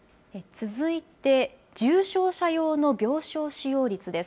続いて重症者用の病床使用率です。